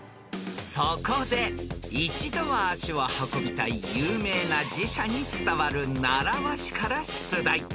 ［そこで一度は足を運びたい有名な寺社に伝わる習わしから出題］